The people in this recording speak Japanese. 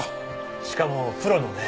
しかもプロのね。